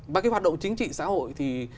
và cái hoạt động chính trị xã hội thì